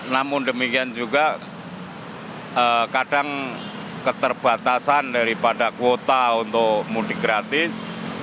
namun demikian juga kadang keterbatasan daripada kuota untuk mudik gratis